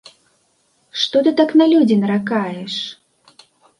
Што ты так на людзі наракаеш?